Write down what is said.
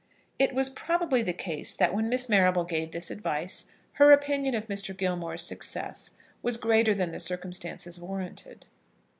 It was probably the case, that when Miss Marrable gave this advice, her opinion of Mr. Gilmore's success was greater than the circumstances warranted.